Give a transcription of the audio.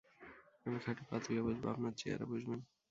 আমি খাটে পা তুলে বসব, আপনারা চেয়ারে বসবেন।